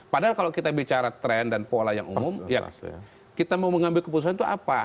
padahal kalau kita bicara tren dan pola yang umum kita mau mengambil keputusan itu apa